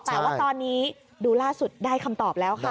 แต่ว่าตอนนี้ดูล่าสุดได้คำตอบแล้วค่ะ